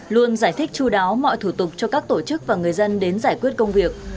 luôn giải thích chú đáo mọi thủ tục cho các tổ chức và người dân đến giải quyết công việc